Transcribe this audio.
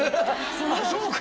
あそうか。